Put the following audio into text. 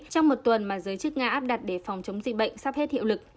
trong một tuần mà giới chức nga áp đặt để phòng chống dịch bệnh sắp hết hiệu lực